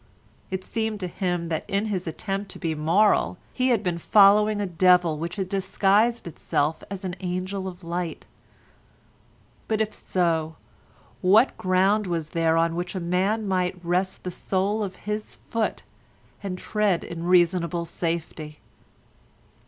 It seemed to him that in his attempt to be moral he had been following a devil which had disguised itself as an angel of light. But if so, what ground was there on which a man might rest the sole of his foot and tread in reasonable safety?